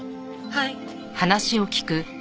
はい。